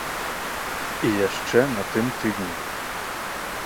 І яшчэ на тым тыдні.